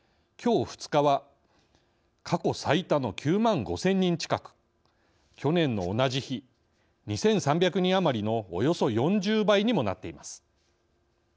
きょう２日は過去最多の９万５，０００人近く去年の同じ日２，３００人余りのおよそ４０倍にもなっています。